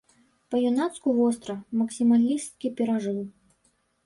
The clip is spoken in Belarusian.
Па-юнацку востра, максімалісцкі перажыў.